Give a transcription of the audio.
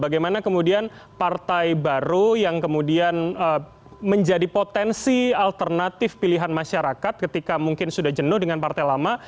bagaimana kemudian partai baru yang kemudian menjadi potensi alternatif pilihan masyarakat ketika mungkin sudah jenuh dengan partai lama